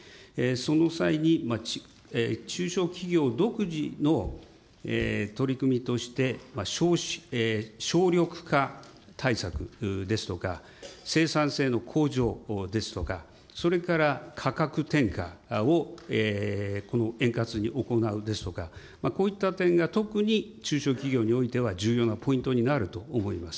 その際に、中小企業独自の取り組みとして省力化対策ですとか、生産性の向上ですとか、それから価格転嫁を円滑に行うですとか、こういった点が特に中小企業においては重要なポイントになると思います。